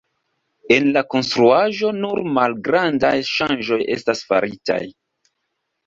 En la konstruaĵo nur malgrandaj ŝanĝoj estas faritaj.